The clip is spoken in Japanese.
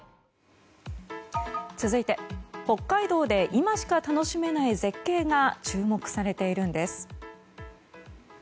続いて北海道で今しか楽しめない絶景が注目されているんです。